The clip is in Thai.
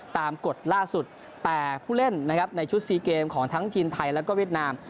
กฎล่าสุดแต่ผู้เล่นนะครับในชุดซีเกมของทั้งทีมไทยแล้วก็เวียดนาม